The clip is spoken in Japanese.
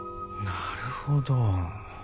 なるほど。